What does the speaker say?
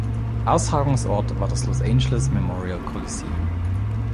Austragungsort war das Los Angeles Memorial Coliseum.